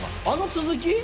あの続き？